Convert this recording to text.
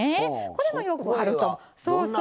これも、よくあると。